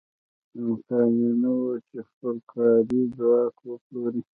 امکان یې نه و چې خپل کاري ځواک وپلوري.